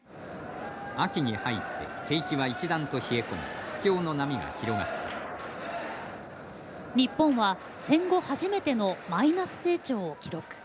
秋に入って景気はいちだんと冷え込み不況の波が広がった日本は戦後初めてのマイナス成長を記録。